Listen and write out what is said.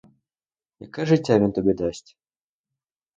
Яке життя він тобі дасть?